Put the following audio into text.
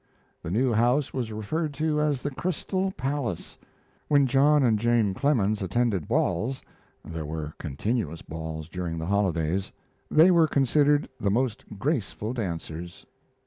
The new house was referred to as the Crystal Palace. When John and Jane Clemens attended balls there were continuous balls during the holidays they were considered the most graceful dancers.